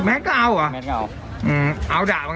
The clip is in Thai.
แมดก็เอาหรอ